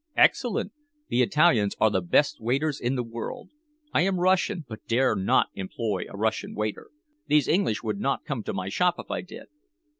"Excellent. The Italians are the best waiters in the world. I am Russian, but dare not employ a Russian waiter. These English would not come to my shop if I did."